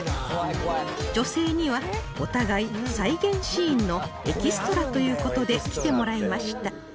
女性にはお互い再現シーンのエキストラという事で来てもらいました